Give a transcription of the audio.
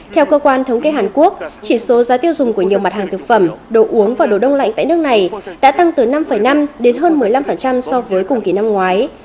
theo cơ quan thống kê hàn quốc chỉ số giá tiêu dùng của nhiều mặt hàng thực phẩm đồ uống và đồ đông lạnh tại nước này đã tăng từ năm năm đến hơn một mươi năm so với cùng kỳ năm ngoái